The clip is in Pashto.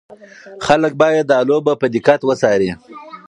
خلک باید دا لوبه په دقت وڅاري.